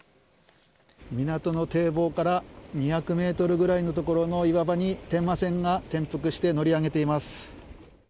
港の堤防から２００ｍぐらいのところの岩場に伝馬船が転覆して乗り上げています。